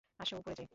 আসো, ওপরে যাই।